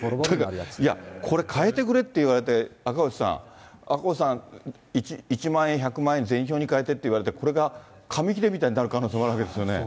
いや、これ、替えてくれって言われて、赤星さん、赤星さん、１万円、１００万円、銭票に替えてって言われて、これが紙切れみたいになる可能性もあるわけですよね。